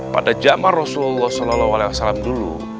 pada jaman rasulullah s a w dulu